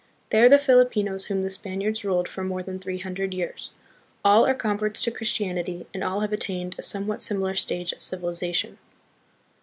They are the Filipinos whom the Spaniards ruled for more than three hundred years. All are converts to Christianity, and all have attained a somewhat similar stage of civilization.